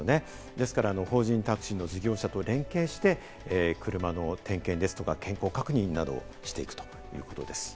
ですから法人タクシーの事業会社と連携して車の点検ですとか、点呼確認などをしていくということです。